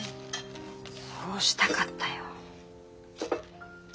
そうしたかったよ。